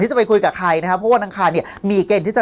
จะไปคุยกับใครนะครับเพราะว่าอังคารเนี่ยมีเกณฑ์ที่จะ